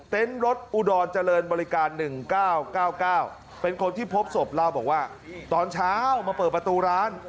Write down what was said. รถอุดรเจริญบริการ๑๙๙๙เป็นคนที่พบศพเล่าบอกว่าตอนเช้ามาเปิดประตูร้าน